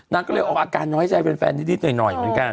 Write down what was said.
นักก็เลยออกอาการให้แฟนนิดหน่อย